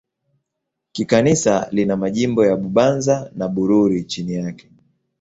Kikanisa lina majimbo ya Bubanza na Bururi chini yake.